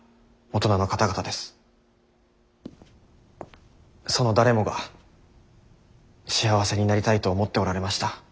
その誰もが幸せになりたいと思っておられました。